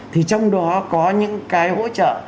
thì trong đó có những cái hỗ trợ